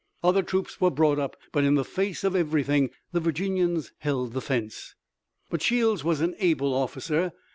Other troops were brought up but in the face of everything the Virginians held the fence. But Shields was an able officer.